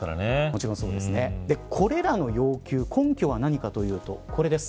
これらの要求根拠は何かというところです。